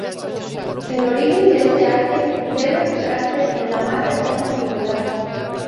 El origen de este arte debe buscarse en la más remota antigüedad.